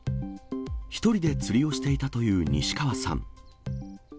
１人で釣りをしていたという西川さん。